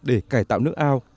để cải tạo nước ao